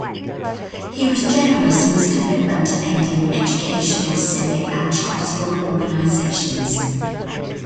He was generous in his commitment to aiding educational, civic and charitable organizations.